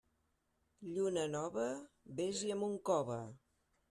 Lluna nova, vés-hi amb un cove.